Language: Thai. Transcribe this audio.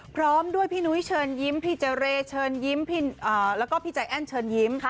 พร้อมด้วยพี่นุ้ยเชิญยิ้มพี่เจรเชิญยิ้มแล้วก็พี่ใจแอ้นเชิญยิ้มค่ะ